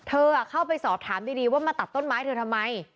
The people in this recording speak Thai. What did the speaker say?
เธอเข้าไปสอบถามดีว่ามาตัดต้นไม้เธอทำไม